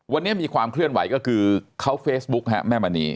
วันนี้มีความเคลื่อนไหวก็คือเขาเฟซบุ๊กฮะแม่มณี